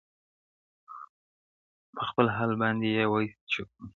پر خپل حال باندي یې وایستل شکرونه -